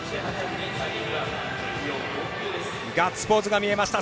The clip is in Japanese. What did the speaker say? ガッツポーズが見えました